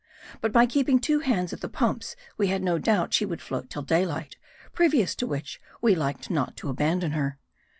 But by keeping two hands at the pumps, we had no doubt she would float till daylight ; previous to which we liked not to abandon her.